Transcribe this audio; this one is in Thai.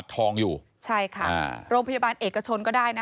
พบหน้าลูกแบบเป็นร่างไร้วิญญาณ